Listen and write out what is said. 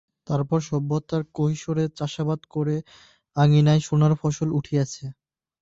তারপর সভ্যতার কৈশোরে চাষাবাদ করে আঙিনায় সোনার ফসল উঠিয়েছে।